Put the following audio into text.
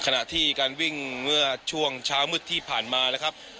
ในการวิ่งเมื่อช่วงเช้ามืดที่ผ่านมา